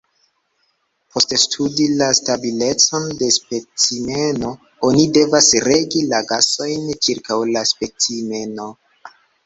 Por studi la stabilecon de specimeno oni devas regi la gasojn ĉirkaŭ la specimeno.